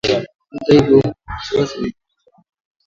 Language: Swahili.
Hata hivyo kuna wasiwasi unaoongezeka wa